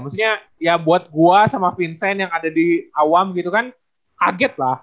maksudnya ya buat gue sama vincent yang ada di awam gitu kan kaget lah